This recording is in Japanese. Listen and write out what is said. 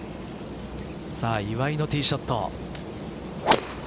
岩井のティーショット。